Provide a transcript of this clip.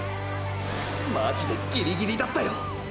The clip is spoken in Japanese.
マジでギリギリだったよ！！